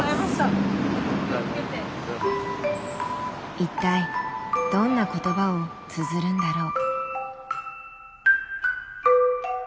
一体どんな言葉をつづるんだろう。